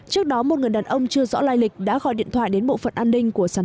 trước đó một người đàn ông chưa rõ lai lịch đã gọi điện thoại đến bộ phận an ninh của sản